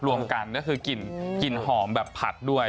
รวมกันก็คือกลิ่นหอมแบบผัดด้วย